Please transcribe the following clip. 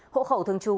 hộ khẩu thường trú